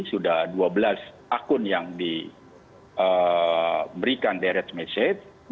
sudah dua belas akun yang diberikan deret message